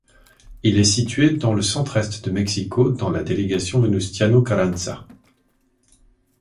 Il est situé dans le centre-est de Mexico, dans la délégation Venustiano Carranza.